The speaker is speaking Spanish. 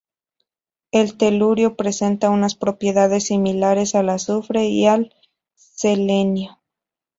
El telurio presenta unas propiedades similares al azufre y al selenio.